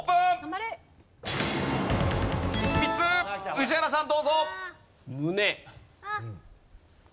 宇治原さんどうぞ。